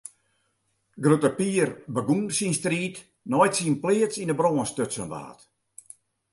Grutte Pier begûn syn striid nei't syn pleats yn 'e brân stutsen waard.